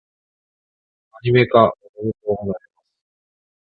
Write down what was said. アニメ化、おめでとうございます！